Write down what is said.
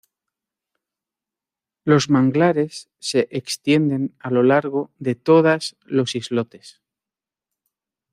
Los manglares se extienden a lo largo de todas los islotes.